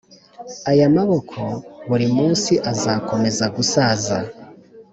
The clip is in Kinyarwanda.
aya maboko buri munsi azakomeza gusaza.